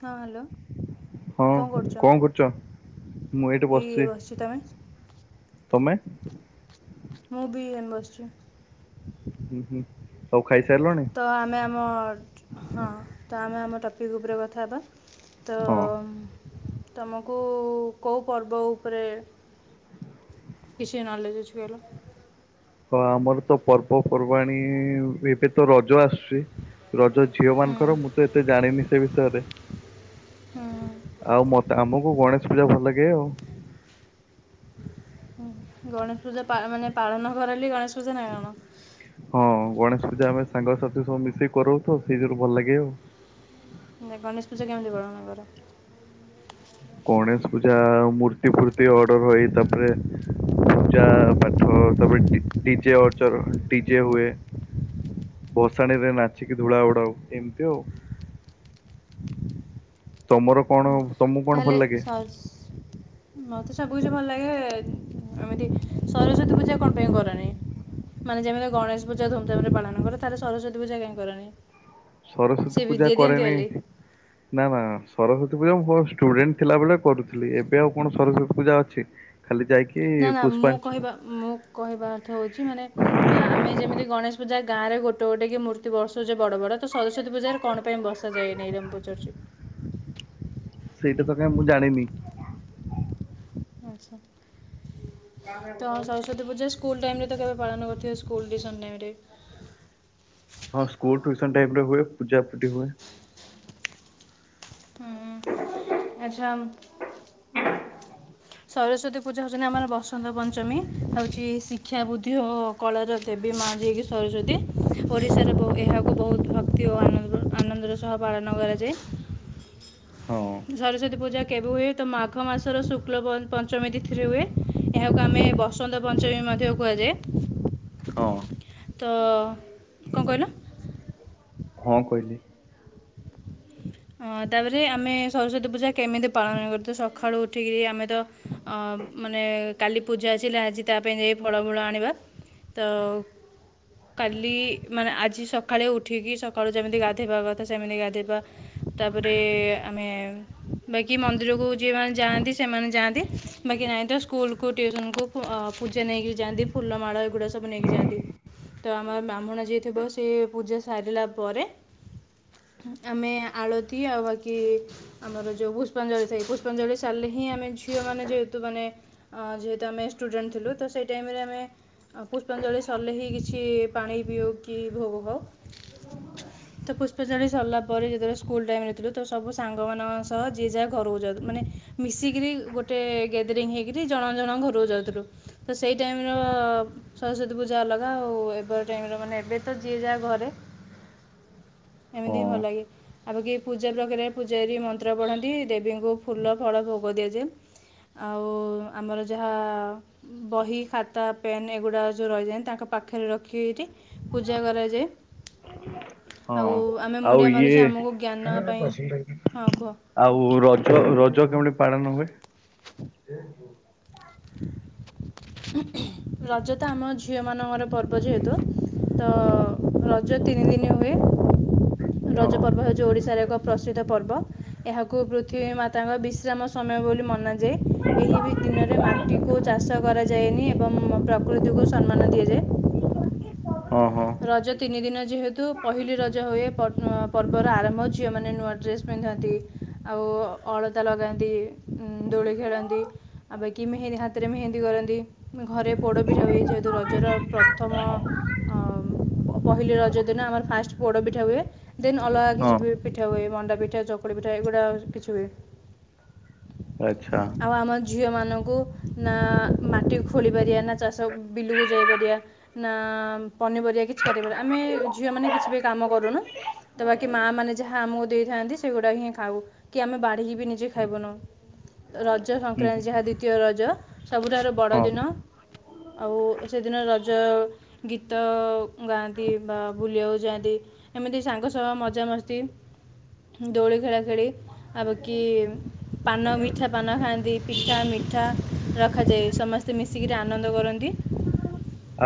ହଁ ହ୍ୟାଲୋ [inaudible] ହଁ କ'ଣ କରୁଛ କଣ କରୁଛ ମୁଁ ଏଇଠି ଏଇ ଏ ବସିଛି ତୁମେ ତମେ ମୂଭିି ଇଣ୍ଡଷ୍ଟ୍ରି ହୁଁ ହୁଁ ସବ ତ ଆମେ ଆମର ହଁ ତ ଆମେ ଆମ ଟପିକ୍ ଉପରେ କଥା ହେବା ତୋ ହଁ। ଅମ ତୁମକୁ କେଉଁ ପର୍ବ ଉପରେ କିଛି ନଲେଜ ଅଛି ହେଲା। ହଁ ଆମର ତ ପର୍ବପର୍ବାଣିୀ ଏବେ ତ ରଜ ଆସୁଛି। ରଜ ଝିଅ ହୁଁ ମାନଙ୍କର ମୁଁ ତ ଏତେ ଜାଣିନି ସେ ବିଷୟରେ ହୁଁ ଆଉ ମତ ଆମକୁ ଆମ କୁ ଗଣେଶ ପୂଜା ଭଲ ଲାଗେ ଆଉ। ହୁଁ। ଗଣେଶ ପୂଜା ପା ମାନେ ପାଳନ କରବୋଲି ଗଣେଶ ପୂଜା ନା କଣ? ହଁ ଗଣେଶ ପୂଜା ଆମେ ସାଙ୍ଗସାଥି ସବୁ ମିଶେଇି କରୁ ତ ସେଇ ଯୋଗୁରୁ ଭଲ ଲାଗେ ଆଉ। ନା ଗଣେଶ ପୂଜା କେମିତି ପାଳନ କର ଗଣେଶ ପୂଜା ଆଉ ମୂର୍ତ୍ତି ଫୂର୍ତି ଅର୍ଡର ହଏ ତାପରେ ପୂଜା ପାଠ ତାପରେ ଡିଜେ ଅଯ ର ଡିଜେ ହୁଏ ଭସାଣିୀରେ ନାଚିକି ଧୂଳା ଉଡାଉ ଏମିତି ଆଉ। ତମର କଣ ହୁଁ। ହୁ ତାହେଲେ ସସ ମତେ ସବୁ କିଛି ଭଲ ଲାଗେ ଏମିତି ସରସ୍ଵତୀ ପୂଜା କଣ ପାଇଁ କରନି ମାନେ ଯେମିତି ଗଣେଶ ପୂଜା ଧୁମଧାମ ରେ ପାଳନ କରେ ତାହଲେ ସରସ୍ଵତୀ ପୂଜା କାହିଁ କରନି ସେ ସରସ୍ଵତୀ ପୂଜା ବିଦ୍ୟା ଦିଅନ୍ତି କରେନି ବୋଲି ନା ନା ସରସ୍ଵତୀ ସେ ପୂଜା ମୁଁ ଯେ ଷ୍ଟୁଡେଣ୍ଟ ଥିଲାବେଳେ କରୁଥିଲି ଏବେ ଆଉ କଣ ସରସ୍ଵତୀ ପୂଜା ଅଛି ଖାଲି ଯାଇକି ନା ନା ମୁଁ ପୁଷ୍ପାଞ୍ଚ କହିବା ମୁଁ କହିବା ଅର୍ଥ ହଉଛି ମାନେ ଆମେ ଯେମିତି ଗଣେଶ ପୂଜା ଗାଁରେ ଗୋଟେ ଗୋଟେ କି ମୂର୍ତ୍ତି ବସଉଛେ ବଡ ବଡ ତ ସରସ୍ଵତୀ ପୂଜାରେ କଣ ପାଇଁ ବସାାଯାଏନ ଏଇଟା ମୁଁ ପଚାରୁଛି ସେଇଟା ତ କାହିଁ ମୁଁ ଜାଣିନି ଆଚ୍ଛା ତ ସରସ୍ଵତୀ ପୁଜା ସ ସ୍କୁଲ୍ ଟାଇମ୍ ରେ ତ କେବେ ପାଳନ କରିଥିବ ସ୍କୁଲ ଟ୍ୟୁସନ ଟାଇମ୍ ରେ ହଁ ସ୍କୁଲ ଟ୍ୟୁସନ ଟାଇମ ରେ ହୁଏ ପୂଜାପଟି ହୁଏ ହ ଆଚ୍ଛା ସରସ୍ଵତୀ ପୂଜା ହଉଛନ୍ତି ଆମର ବସନ୍ତ ପଞ୍ଚମୀ ହେଉଛି ଶିକ୍ଷା ବୁଦ୍ଧି ଓ କଳଜ ଦେବୀ ମା ଯିଏକି ସରସ୍ଵତୀ ଓଡ଼ିଶାରେ ଏହାକୁ ବହୁତ ଭକ୍ତି ଓ ଆନନ୍ଦ ଆନନ୍ଦର ସହ ପାଳନ କରାଯାଏ ହଁ ସରସ୍ଵତୀ ପୂଜା କେବେ ହୁଏ ତ ମାଘ ମାସର ଶୁକ୍ଳ ପ- ପଞ୍ଚମୀ ତିଥିରେ ହୁଏ ଏହାକୁ ଆମେ ବସନ୍ତ ପଞ୍ଚମୀ ମଧ୍ୟ ହଁ କୁହାଯାଏ ତ କଣ କହିଲ ହଁ କହିଲି ତାପରେ ଆମେ ସରସ୍ଵତୀ ପୂଜା କେମିତି ପାଳନ କରୁଛୁ ସକାଳୁ ଉଠିକି ଆମେ ତ ମାନେ କାଲି ପୂଜା ଆସିଲା ଆଜି ତା ପାଇଁ ଯାଇ ଫଳ ଫୂଳ ଆଣିବା ତ କାଲି ମାନେ ଆଜି ସକାଳେ ଉଠିକି ସକାଳୁ ଯେମିତି ଗାଧୋଇବା କଥା ସେମିତି ଗାଧୋଇବା ତାପରେ ଆମେ ବାକି ମନ୍ଦିରକୁ ଯିଏମାନେ ଯାଆନ୍ତି ସେମାନେ ଯାଆନ୍ତି ବାକି ନାହିଁ ତ ସ୍କୁଲକୁ ଟ୍ୟୁସନକୁ ପୂଜା ନେଇକି ଯାଆନ୍ତି ଫୁଲ ମାଳ ଏଗୁଡ଼ା ସବୁ ନେଇକି ଯାଆନ୍ତି ତ ଆମର ବ୍ରାହ୍ମଣ ଯିଏ ଥିବ ସେ ପୂଜା ସାରିଲା ପରେ ଆମେ ଆଳତି ଆଉ ବାକି ଆମର ଯେଉଁ ପୁଷ୍ପାଞ୍ଜଳି ଥାଏ ପୁଷ୍ପାଞ୍ଜଳି ସାରିଲେ ହିଁ ଆମେ ଝିଅମାନେ ଯେହେତୁ ମାନେ ଯେହେତୁ ଆମେ ଷ୍ଟୁଡେଣ୍ଟ ଥିଲୁ ତ ସେଇ ଟାଇମରେ ଆମେ ପୁଷ୍ପାଞ୍ଜଳି ସରିଲେ ହିଁ କିଛି ପାଣି ପିଉ କି ଭୋଗ ଖାଉ ତ ପୁଷ୍ପାଞ୍ଜଳି ସରିଲା ପରେ ଯେତେବେଳେ ସ୍କୁଲ ଟାଇମ ରେ ଥିଲୁ ତ ସବୁ ସାଙ୍ଗମାନଙ୍କ ସହ ଯିଏ ଯାହା ଘରକୁ ଯାଉ ମାନେ ମିଶିକିରି ଗୋଟେ ଗ୍ୟାଦେରିଙ୍ଗ ହେଇକରି ଜଣ ଜଣ ଘରକୁ ଯାଉଥିଲୁ ତ ସେଇ ଟାଇମର ସରସ୍ଵତୀ ପୂଜା ଅଲଗା ଆଉ ଏବେ ଟାଇମ୍ ର ମାନେ ଏବେ ତ ଯିଏ ଯାହା ଘରେ ହଁ ଏମିତି ହିଁ ଭଲ ଲାଗେ ଆ ବାକି ପୂଜା ପାଖରେ ପୂଜାରୀ ମନ୍ତ୍ର ପଢ଼ନ୍ତି ଦେବୀଙ୍କୁ ଫୁଲ ଫଳ ଭୋଗ ଦିଆଯାଏ ଆଉ ଆମର ଯାହା ବହି ଖାତା ପେନ୍ ଏଗୁଡ଼ା ଯେଉଁ ରହିଯାଏ ତାଙ୍କ ପାଖରେ ରଖି ଏଇଠି ପୂଜା କରାଯାଏ ଆଉ ହଁ ଆମେ ଆଉ ମୁଣ୍ଡିଆ ମାରୁ ଇଏ ଯେ ଆମକୁ ଜ୍ଞାନ ପାଇଁ ହଁ କୁହ ଆଉ ରଜ ରଜ କେମତି ପାଡ଼ ନ ଭ [inaudible] ରଜ ତ ଆମ ଝିଅ ମାନଙ୍କର ପର୍ବ ଯେହେତୁ ତ ରଜ ତିନି ଦିନ ହୁଏ ରଜ ହଁ ପର୍ବ ହଉ ଯୋ ଓଡିଶାର ଏକ ପ୍ରସିଦ୍ଧ ପର୍ବ ଏହାକୁ ପୃଥିବୀ ମାତାଙ୍କ ବିଶ୍ରାମ ସମୟ ବୋଲି ମନାଯାଏ ଏହି ଦିନରେ ଟିକୁ ଚାଷ କରାଯାଏ। ଯାଏନି ଏବଂ ପ୍ରକୃତିକୁ ସମ୍ମାନ ଦିଆଯାଏ। ହଁ ହଁ ରଜ ତିନି ଦିନ ଯେହେତୁ ପହିଲି ରଜ ହୁଏ। ପର୍ବର ଆରମ୍ଭ ଝିଅ ମାନେ ନୂଆ ଡ୍ରେସ୍ସ ପିନ୍ଧନ୍ତି ଆଉ ଅଳତା ଲଗାନ୍ତି ଦୋଳି ଖେଳନ୍ତି ଆଉପ [unintelligible] କିି ମେହେନ୍ଦୀ ହାତରେ ମେହେନ୍ଦୀ କରନ୍ତି ଘରେ ପୋଡ଼ପିଠା ହୁଏ ଯେହେତୁ ରଜର ପ୍ରଥମ ପହିଲି ରଜ ଦିନ ଆମର ଫାଷ୍ଟ ପୋଡ ପିଠା ହୁଏ ଦେନ୍ ଅଲଗା କିଛି ହଁ ପିଠା ହୁଏ ମଣ୍ଡା ପିଠା ଚକୁଳି ପିଠା ଏଗୁଡ଼ା କିଛି ହୁଏ ଆଛା ଆଉ ଆମ ଝିଅମାନଙ୍କୁ ନା ମାଟି ଖୋଳି ପାରିବା ନା ଚାଷ ବିଲକୁ ଯାଇପାରିବା ନା ପନିପରିବା କିଛି କାଟି ପାରିବାନି, ଆମେ ଝିଅ ମାନେ କିଛି ବି କାମ କରୁନି। ତ ବାକି ମା ମାନେ ଯାହା ଆମକୁ ଦେଇଥାନ୍ତି, ସେଗୁଡ଼ାହିଁ ଖାଉ। କି ଆମେ ବାଢିକି। ବି ନିଜେ ଖାଇବୁନୁ ରଜ ହୁଁ ହୁଁ ସଂକ୍ରାନ୍ତି ଯାହା ଦ୍ୱିତୀୟ ରଜ ସବୁଠାରୁ ବଡ଼ ହଁ ଦିନ, ଆଉ ସେ ଦିନ ରଜ ଯ ଗୀତ ଗାଆନ୍ତି ବା ବୁଲିବାକୁ ଯାଆନ୍ତି ଏମିତି ସାଙ୍ଗସହ ମଜାମସ୍ତି ଦୋଳି ଖେଳା ଖେଳି ଆ ବା କି ପାନ ମିଠା ପାନ ଖାଆନ୍ତି ପି ମିଠା ମିଠା ରଖାଯାଏ ସମସ୍ତେ ମିଶିକିରି ଆନନ୍ଦ କରନ୍ତି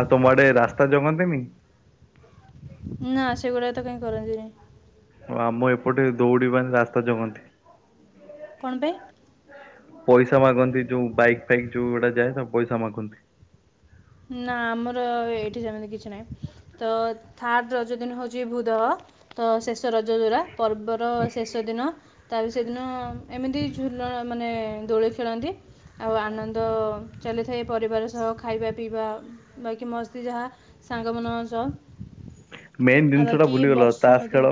ଆଉ ତମଆଡେ ରାସ୍ତା ଯଗନ୍ତିନି ନା ସେଗୁଡା ତ କାଇହିଁ କରନ୍ତିନି ଓ ଆମ ଏପଟେ ଦୌଡିିବା ରାସ୍ତା ଜଗନ୍ତି କ'ଣ ପାଇଁ ପଇସା ମାଗନ୍ତି ଯୋଉ ବାଇକ୍ ପାଇଁ ଯୋଉ ଗୋଟା ଯାଏ ତାକୁ ପଇସା ମାଗନ୍ତି ନା ଆମର ଏଇଠି ଯେମିତି କିଛି ନାହିଁ ତ ଥାର୍ଡ ରଜ ଦିନ ହେଉଛି ଭ ଦ ତ ଶେଷ ରଜ ଦରାା ପର୍ବର ଶେଷ ଦିନ ତାପରେ ସେଦିନ ଏମିତି ଝୁଲଣ ମାନେ ଦୋଳି ଖେଳନ୍ତି ଆଉ ଆନନ୍ଦ ଚାଲିଥାଏ ପରିବାର ସହ ଖାଇବା ପିଇବା ବାକି ମସ୍ତି ଯାହା ସାଙ୍ଗମାନଙ୍କ ସହ ମେନ୍ ଆଉ ଜିନିଷ ଟା ବାକି ଭୁଲିଗଲ ତାସ ବସୁମତୀ ଖେଳ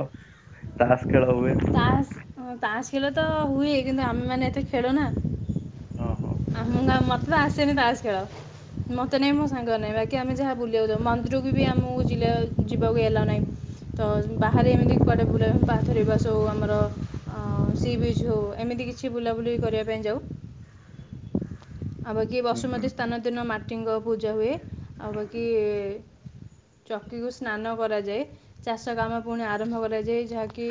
ତାସ ଖେଳ ହୁଏ ତାସ୍ ତାସ୍ ଖେଳ ତ ହୁଏ କିନ୍ତୁ ଆମେ ମାନେ ଏତେ ଖେଳୁନା ହଁ ହଁ। ଆମ ଗାଁ ମନ୍ଦିର ଆସ ସେନ ତାସ ଖେଳ ମତେ ନାଇଁ ମୋ ସାଙ୍ଗରେ ନାହିଁ ବାକି ଆମେ ଯାହା ବୁଲିବାକୁ ଯାଉ ମନ୍ଦିରକୁ ବି ଆମକୁ ଯିବାକୁ ହେଲାନି ତ ବାହାରେ ଏମିତି କୁଆଡେ ବୁଲେ ପାଥରେ ବସଉ ଆମର ସି ବିଜ୍ ହେଉ ଏମିତି କିଛି ବୁଲାବୁଲି କରିବା ପାଇଁ ଯାଉ। ଆଉ ବାକି ହୁଁ ହୁଁ ବସୁମତୀ ସ୍ଥାନ ଦିନ ମାଟି ମାଟିଙ୍କ ପୂଜା ହୁଏ ଆଉ ବାକି ଚକିକୁ ସ୍ନାନ କରାଯାଏ ଚାଷ କାମ ପୁଣି ଆରମ୍ଭ କରାଯାଏ ଯାହାକି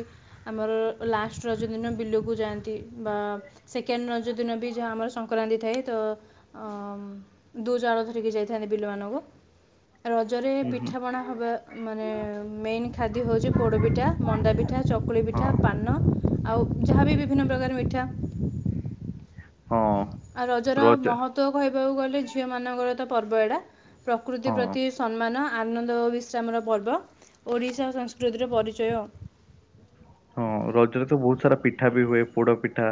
ଆମର ଲାଷ୍ଟ ରଜଦିନ ବିଲକୁ ଯାଆନ୍ତି ବା ସେକେଣ୍ଡ ରଜ ଦିନ ବି ଯାହା ଆମର ସଂକ୍ରାନ୍ତି ଥାଏ ତ ହ ଦୁଇ ଜଣ ଧରିକି ଯାଇଥାନ୍ତି ବିଲମାନଙ୍କୁ ରଜରେ ହୁଁ ହୁଁ ପିଠାପଣା ହେବା ମାନେ ମେନ୍ ଖାଦ୍ୟ ହେଉଛି ପୋଡ଼ପିଠା ମଣ୍ଡା ପିଠା ଚକୁଳି ପିଠା ହଁ ପାନ ଆଉ ଯାହାବି ବିଭିନ୍ନ ପ୍ରକାର ମିଠା ହଁ ଆଉ ରଜର ରଜ ମହତ୍ତ୍ୱ କହିବ କହିବାକୁ ଗଲେ ଝିଅ ମାନଙ୍କର ତ ପର୍ବ ଏଟା। ପ୍ରକୃତି ହଁ ପ୍ରତି ସମ୍ମାନ ଆନନ୍ଦ ଓ ବିଶ୍ରାମର ପର୍ବ ଓଡ଼ିଶା ଓ ସଂସ୍କୃତିର ପରିଚୟ ଆଉ। ହଁ ରଜରେ ତ ବହୁତ ସାରା ପିଠା ବି ହୁଏ ପୋଡ ପିଠା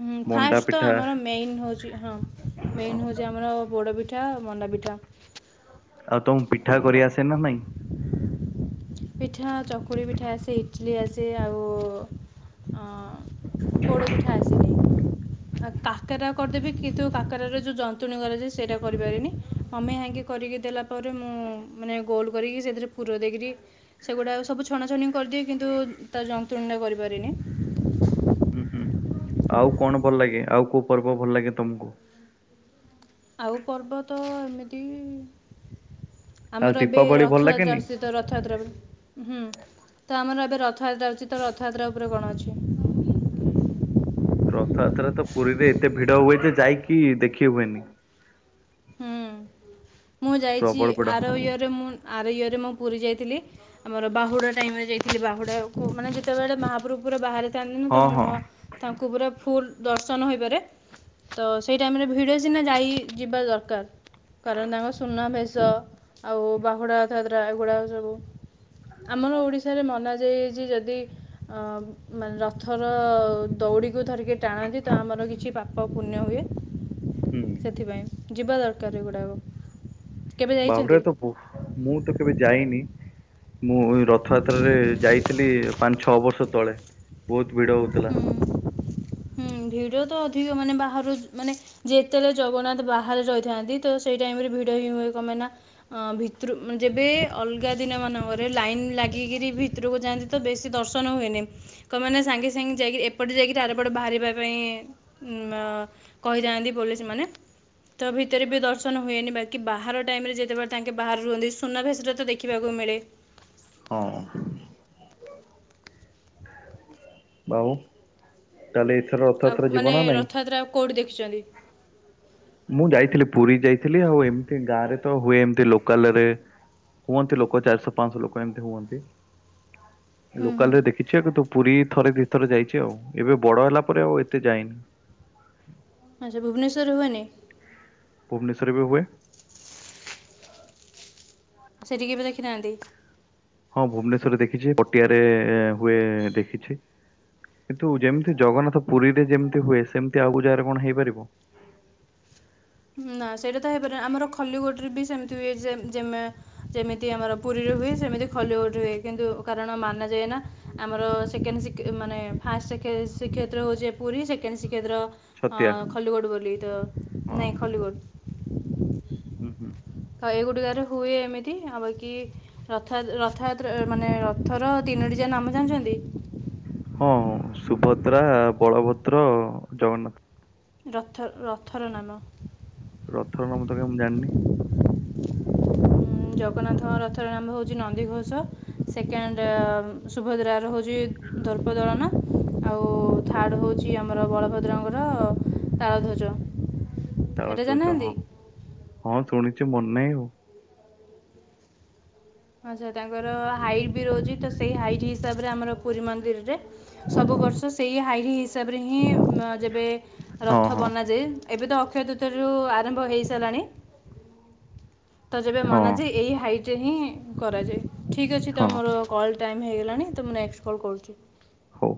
ହଁ ମଣ୍ଡା ଫାଷ୍ଟ ତ ପିଠା ଆମର ମେନ ହଉଛି ହଁ ହଁ ମେନ୍ ହଉଛି ଆମର ପୋଡ଼ପିଠା ପିଠା ଆଉ ମଣ୍ଡାପିଠା। ଆଉ ତମକୁ ପିଠା କରିଆସେ ନା ନାଇଁ? ପିଠା ଚକୁଳି ପିଠା ଆସେ ଇଟଲି ଆସେ ଆଉ ପୋଡ଼ପିଠା ଆସେ। ଆଉ କାକରା କରିଦେବି କିନ୍ତୁ କାକରାର ଯେଉଁ ଜନ୍ତୁଣୀ କରାଯାଏ ସେଇଟା କରିପାରିବିନି ମମି ହେଇକି କରିକି ଦେଲା ପରେ ମୁଁ ମାନେ ଗୋଲ କରିକି ସେଥିରେ ପୁର ଦେଇକରି ସେଗୁଡା ସବୁ ଛଣାଛଣି କରିଦିଏ କିନ୍ତୁ ତା ଜନ୍ତୁଣୀ ଟା କରିପାରିନି। ହୁଁ ହୁଁ ଆଉ କଣ ଭଲ ଲାଗେ ଆଉ କୋଉ ପର୍ବ ଭଲ ଲାଗେ ତମକୁ? ଆଉ ପର୍ବ ତ ଏମିତି ଆଉ ଆମର ଏବେ ଦୀପାବଳି ଭଲ ରଥଯାତ୍ରା ଲାଗେନି? ଅଛି ତ ରଥଯାତ୍ରା ହୁଁ ତ ଆମର ଏବେ ରଥଯାତ୍ରା ଆଉଛି ତ ରଥଯାତ୍ରା ଉପରେ କଣ ଅଛି? ଭିଡ଼ ହୁଏ ଯେ ଯାଇକି ଦେଖି ହୁଏନି। ହଁ ମୁଁ ଯାଇଛି ପ୍ରବଳ ଆର ଭିଡ। ଇୟରେ ମୁଁ ଆର ଇୟରେ ମୁଁ ପୁରୀ ଯାଇଥିଲି ଆମର ବାହୁଡ଼ା ଟାଇମରେ ଯାଇଥିଲି ସେ ବାହୁଡ଼ାକୁ ମାନେ ଯେତେବେଳେ ମହାପ୍ରଭୁ ପୁରା ବାହାରେ ଥାଆନ୍ତି ନା ହଁ ତା ହଁ ମୁହଁ ତାଙ୍କୁ ପୁରା ଫୁଲ ଦର୍ଶନ ହୋଇପାରେ ତ ସେଇ ଟାଇମରେ ଭିଡ଼ ସିନା ଯାଇ ଯିବା ଦର କାର। କାରଣ ତାଙ୍କ ସୁନାବେଶ ଆଉ ବାହୁଡ଼ା ରଥଯାତ୍ରା ଏଗୁଡ଼ାକ ସବୁ ଆମର ଓଡ଼ିଶାରେ ମନାଯାଇ ଯେ ଯଦି ମେ ରଥର ଦଉଡ଼ିକୁ ଧରିକି ଟାଣନ୍ତି ତ ଆମର କିଛି ପାପ ପୁଣ୍ୟ ହୁଏ। ହୁଁ ସେଥିପାଇଁ। ଯିବା ଦରକାର ଏଗୁଡ଼ାକ। କେବେ ଯାଇଛନ୍ତି ବାବରେତ ମୁଁ ତ କେବେ ଯାଇନି। ମୁଁ ରଥଯାତ୍ରାରେ ଯାଇଥିଲି। ପାଞ୍ଚ ଛ ବର୍ଷ ତଳେ। ବହୁତ ଭିଡ ହଉଥିଲା। ହୁଁ ଭିଡ ତ ଅଧିକ ମାନେ ବାହାରୁ ମାନେ ଯେତେବେଳେ ଜଗନ୍ନାଥ ବାହାରେ ରହିଥାନ୍ତି। ତ ସେଇ ଟାଇମ ରେ ଭିଡ ହିଁ ହୁଏ। କପାଇଁନା ଭିତରୁ ଯେବେ ଅଲଗା ଦିନ ମାନଙ୍କରେ ଲାଇନ ଲାଗିକିରି ଭିତରକୁ ଯାଆନ୍ତି। ତ ବେଶୀ ଦର୍ଶନ ହୁଏନି ତମେନ୍ ସାଙ୍ଗେ ସାଙ୍ଗେ ଯାଇକି ଏପଟେ ଯାଇକରି ଆର ଏପଟେ ବାହାରିବା ପାଇଁ ଉଁଲ କହିଥାନ୍ତି। ପୋଲିସ୍ ମାନେ ତ ଭିତରେ ବି ଦର୍ଶନ ହୁଏନି। ବାକି ବାହାର ଟାଇମ୍ ରେ ଯେତେବେଳେ ତାଙ୍କେ ବାହାରୁ ସୁନାବେଶ ଟା ତ ଦେଖିବାକୁ ମିଳେ। ହଁ ବାଉ ତାହେଲେ ଏଥର ଆଉ ରଥଯାତ୍ରା ଯିବ ମାନେ ନା ନାଇଁ? ରଥଯାତ୍ରା କୋଉଠି ଦେଖିଛନ୍ତି। ମୁଁ ଯାଇଥିଲି ପୁରୀ ଯାଇଥିଲି। ଆଉ ଏମିତି ଗାଁ ରେ ତ ହୁଏ ଏମତି ଲୋକାଲରେ ହୁଅନ୍ତି। ଲୋକ ଚାରିଶହ ପାଞ୍ଚଶହ ଲୋକ ଏମତି ହୁଅନ୍ତି। ହୁଁ ହୁଁ ଲୋକାଲ ରେ ଦେଖିଛି ତୁ ପୁରୀ ଥରେ ଦି ଥର ଯାଇଛି ଆଉ ଏବେ ବଡ ହେଲା ପରେ ଆଉ ଏତେ ଯାଇନି। ଆଚ୍ଛା ଭୁବନେଶ୍ଵରରେ ହୁଏନି। ଭୁବନେଶ୍ବରରେ ବି ହୁଏ। ସେଠି କେବେ ଦେଖିଥାହାନ୍ତି। ହଁ ଭୁବନେଶ୍ଵରରେ ଦେଖିଛି। ପଟିଆରେ ହୁଏ ଦେଖିଛି। କିନ୍ତୁ ଯେମିତି ଜଗନ୍ନାଥ ପୁରୀରେ ଯେମିତି ହୁଏ ସେମିତି ଆଉ ଯାଗାରେ କଣ ହେଇପାରିବ। ନା ସେଇଟା ତ ହେଇପାରିବନି ଆମର ଖଲିକୋଟରେ ବି ସେମିତି ହୁଏ ଯେମିତ୍ ଯେମିତି ଆମର ପୁରୀରେ ହୁଏ ସେମିତି ଖଲିକୋଟରେ ହୁଏ। କିନ୍ତୁ କାରଣ ମାନାଯାଏ ନା ଆମର ସେକେଣ୍ଡ ମାନେ ଫାଷ୍ଟ ଶ୍ରୀକ୍ଷେତ୍ର ହେଉଛି ପୁରୀ। ସେକେଣ୍ଡ ଶ୍ରୀକ୍ଷେତ୍ର ଛତିଆ ଅଁ ଖଲିକୋଟ ବୋଲି ତ ହଁ ଖଲ୍ଲିକୋଟ୍। ହୁଁ ହୁ। ଆଉ ଏଗୋଟିକାରେ ହୁଏ ଏମିତି ଆଉ କି ରଥଯା ରଥଯା ରଥଯାତ୍ରାର ମାନେ ରଥର ତିନୋଟି ଯା ନାମ ଜାଣିଛନ୍ତି। ହଁ ସୁଭଦ୍ରା ବଳଭଦ୍ର ଜଗନ୍ନାଥ। ରଥ ରଥର ନାମ। ରଥର ନାମ ତ କାଇଁ ମୁଁ ଜାଣିନି। ଜଗନ୍ନାଥଙ୍କ ରଥର ନାମ ହେଉଛି ନନ୍ଦିଘୋଷ। ସେକେଣ୍ଡ ସୁଭଦ୍ରାର ହେଉ ଯେ ଦର୍ପଦଳନ। ଆଉ ଥାର୍ଡ଼ ହେଉଛି ଆମର ବଳଭଦ୍ରଙ୍କର ତାଳଧ୍ୱଜ। ତାଳ ଏଇଟା ତୁ ଯ ଜାଣିନାହାନ୍ତି ହଁ ହଁ। ଶୁଣିଛୁ ମନେ ନାହିଁ। ଆଛା ତାଙ୍କର ହାଇଟ୍ ରହୁଛି। ତ ସେଇ ହାଇଟ୍ ହିସାବରେ ଆମର। ପୁରୀ ମନ୍ଦିରରେ। ସବୁ ବର୍ଷ ସେଇ ହାଇ ହିସାବରେ ହିଁ ଯେବେ ଆଉ ରଥ ହଁ ବନାଯାଏ। ଏବେ ତ ଅକ୍ଷୟ ତୃତୀୟାର ଆରମ୍ଭ ହେଇସାରିଲାଣି। ତ ଯେବେ ହଁ ମନା ଯେ ଏଇ ହାଇଟ୍। ଯେ ହିଁ। କରାଯାଏ ଠିକ୍ ଅଛି। ହଁ ତ ହଁ ଆମର କଲ୍ ଟା ହେଇଗଲାଣି ତ ମୁଁ ନେକ୍ସଟ କଲ୍ କରୁଚି। ହଉ।